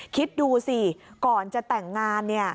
คิดดูสิก่อนจะแต่งงานเนี่ย